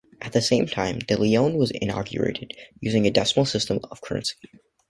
At the same time, the Leone was inaugurated, using a decimal system of currency.